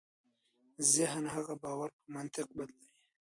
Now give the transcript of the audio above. ذهن هغه باور په منطق بدلوي.